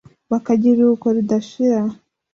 bakagira iruhuko ridashira